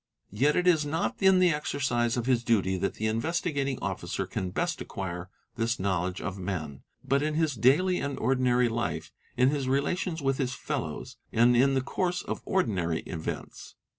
| Yet it is not in the exercise of his duty that the Investigating © Officer can best acquire this knowledge of men, but in his daily and ordinary life, in his relations with his fellows, and in the course of ordinary events.